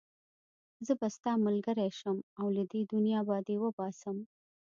زه به ستا ملګری شم او له دې دنيا به دې وباسم.